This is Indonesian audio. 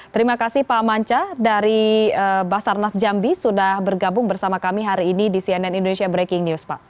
terima kasih pak manca dari basarnas jambi sudah bergabung bersama kami hari ini di cnn indonesia breaking news pak